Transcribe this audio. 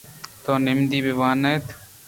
تو نمدی یے وانگ ءَ ات ئے۔